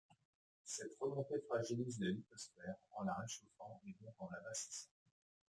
Cette remontée fragilise la lithosphère en la réchauffant et donc en l'amincissant.